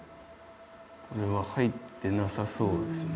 これは入ってなさそうですね。